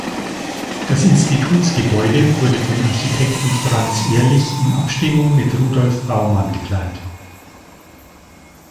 Das Institutsgebäude wurde vom Architekten Franz Ehrlich in Abstimmung mit Rudolf Baumann geplant.